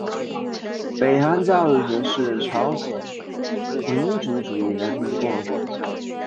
北韩教育指的是朝鲜民主主义人民共和国的教育。